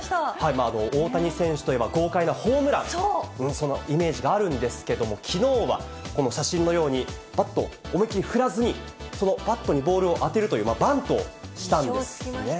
大谷選手といえば、豪快なホームランという、そのイメージがあるんですけれども、きのうはこの写真のように、バットを思いっ切り振らずに、そのバットにボールを当てるという、バントをしたんです。